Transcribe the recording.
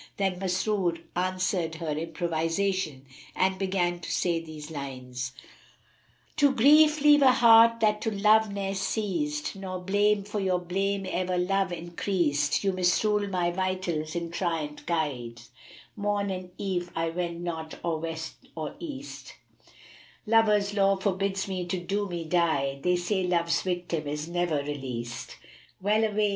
Then Masrur answered her improvisation and began to say these lines, "To grief leave a heart that to love ne'er ceased; * Nor blame, for your blame ever love increased: You misrule my vitals in tyrant guise; * Morn and Eve I wend not or West or East; Love's law forbids me to do me die; * They say Love's victim is ne'er released: Well away!